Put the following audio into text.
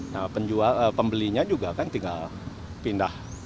nah pembelinya juga kan tinggal pindah